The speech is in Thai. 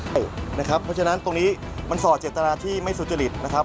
เพราะฉะนั้นตรงนี้มันสอดเจตนาที่ไม่สุจริตนะครับ